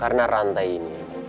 karena rantai ini